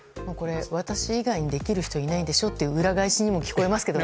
私以外にできる人いないでしょ？という裏返しにも聞こえますけどね。